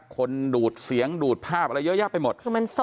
คนดูดเสียงดูดภาพอะไรเยอะแยะไปหมด